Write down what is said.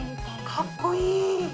かっこいい！